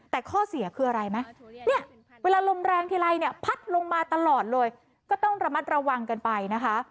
แต่ข้อเสียคืออะไรไหมเนี่ยเวลาลมแรงทีไรเนี่ยพัดลงมาตลอดเลยก็ต้องระมัดระวังกันไปนะคะ